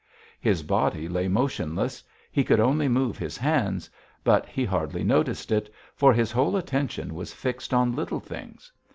His body lay motionless; he could only move his hands, but he hardly noticed it, for his whole attention was fixed on little things.